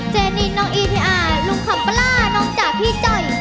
นินน้องอีทีอาร์ลุงคำปลาล่าน้องจ๋าพี่จ่อย